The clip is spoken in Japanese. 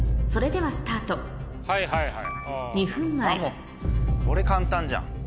それではスタート２分前これ簡単じゃん。